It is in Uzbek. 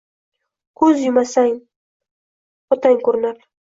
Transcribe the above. Koʼz yumasan, otang koʼrinar